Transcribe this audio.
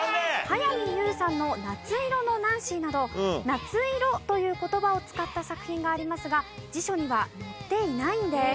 早見優さんの『夏色のナンシー』など「夏色」という言葉を使った作品がありますが辞書には載っていないんです。